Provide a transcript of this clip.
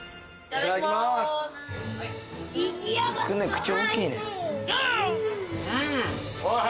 口大きいね。